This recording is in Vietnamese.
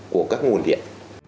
của các nguồn điện